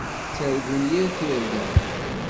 Ttargun yir tirga.